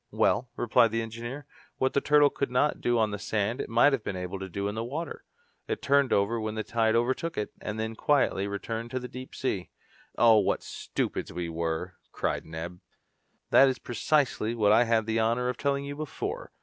"Well," replied the engineer, "what the turtle could not do on the sand it might have been able to do in the water. It turned over when the tide overtook it, and then quietly returned to the deep sea." "Oh! what stupids we were!" cried Neb. "That is precisely what I had the honour of telling you before!"